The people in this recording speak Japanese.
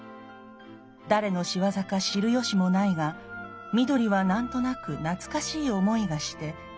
誰の仕業か知る由もないが美登利は何となく懐かしい思いがしてめでていた。